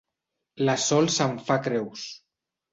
La Sol se'n fa creus.